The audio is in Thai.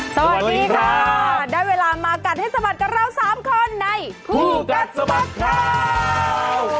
สวัสดีค่ะได้เวลามากัดให้สะบัดกับเรา๓คนในคู่กัดสะบัดข่าว